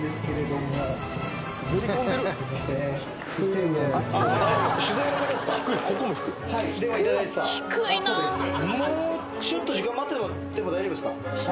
もうちょっと時間待ってもらっても大丈夫ですか？